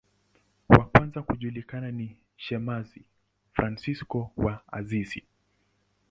Wa kwanza kujulikana ni shemasi Fransisko wa Asizi.